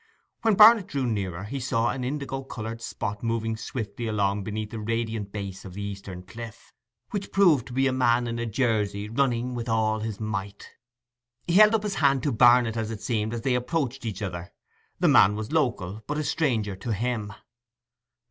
When Barnet drew nearer, he saw an indigo coloured spot moving swiftly along beneath the radiant base of the eastern cliff, which proved to be a man in a jersey, running with all his might. He held up his hand to Barnet, as it seemed, and they approached each other. The man was local, but a stranger to him.